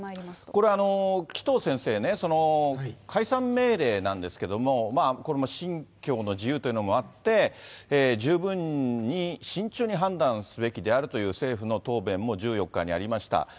これ、紀藤先生、その解散命令なんですけども、これも信教の自由というのもあって、十分に慎重に判断すべきであるという政府の答弁も１４日にありました。